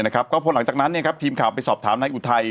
ก็พอหลังจากนั้นทีมข่าวไปสอบถามนายอุทัย